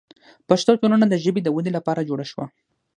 پښتو ټولنه د ژبې د ودې لپاره جوړه شوه.